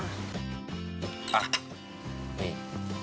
อ่ะนี่